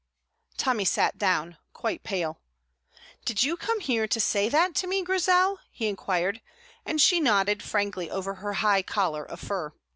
Tommy sat down, quite pale. "Did you come here to say that to me, Grizel?" he inquired, and she nodded frankly over her high collar of fur.